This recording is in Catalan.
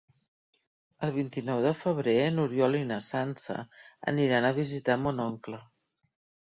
El vint-i-nou de febrer n'Oriol i na Sança aniran a visitar mon oncle.